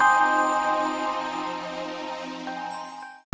takut integerip ada energi provost